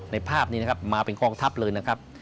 ภาพนี้นะครับมาเป็นกองทัพเลยนะครับ